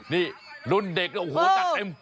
นี่รุ่นเด็กโอ้โหจัดเต็ม